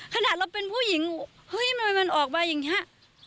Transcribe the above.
ขนาดเราเป็นผู้หญิงมันออกมาอย่างนี้